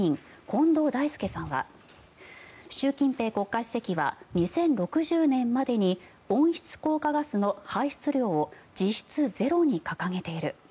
近藤大介さんは習近平国家主席は２０６０年までに温室効果ガスの排出量を実質ゼロに掲げている。